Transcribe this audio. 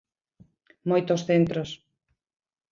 Moitos centros.